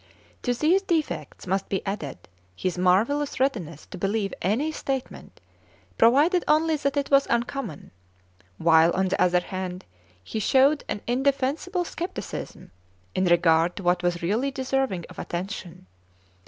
To these defects must be added his marvellous readiness to believe any statement, provided only that it was uncommon; while, on the other hand, he showed an indefensible scepticism in regard to what was really deserving of attention.